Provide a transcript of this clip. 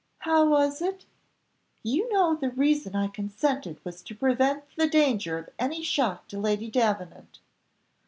"How was it?" "You know the reason I consented was to prevent the danger of any shock to Lady Davenant."